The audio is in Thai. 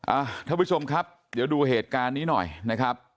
ท่านผู้ชมครับเดี๋ยวดูเหตุการณ์นี้หน่อยนะครับ